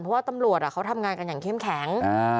เพราะว่าตำรวจเขาทำงานกันอย่างเข้มแข็ง